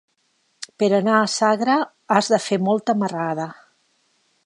Per anar a Sagra has de fer molta marrada.